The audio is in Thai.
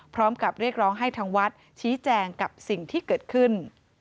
พร้อมกับเรียกร้องให้ทางวัดชี้แจงกับสิ่งที่เกิดขึ้น